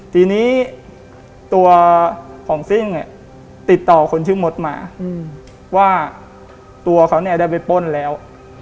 ทีนี้ตัวของซิ่งเนี่ยติดต่อคนชื่อมดมาว่าตัวเขาเนี่ยได้ไปป้นแล้ว